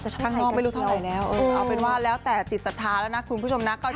เพราะไม่อย่างนั้นเนี่ยคนกรุงเทพฯต้องลงใต้ไปที่จังหวัดนครศรีธรรมาราช